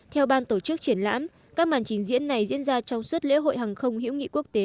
theo ban tổ chức triển lãm các màn trình diễn này diễn ra trong suốt lễ hội hàng không hữu nghị quốc tế